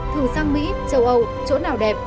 thử sang mỹ châu âu chỗ nào đẹp